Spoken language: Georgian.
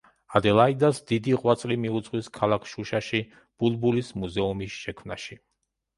ადელაიდას დიდი ღვაწლი მიუძღვის ქალაქ შუშაში ბულბულის მუზეუმის შექმნაში.